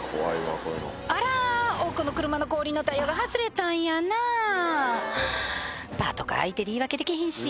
あら奥の車の後輪のタイヤが外れたんやなパトカー相手で言い訳できひんし